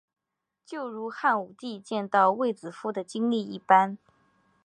就如汉武帝见到卫子夫的经历一般。